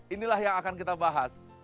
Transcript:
inilah yang akan kita bahas